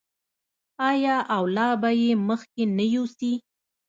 آیا او لا به یې مخکې نه یوسي؟